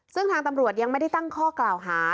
ซึ่งทางตำรวจยังไม่ได้ตั้งข้อกล่าวหา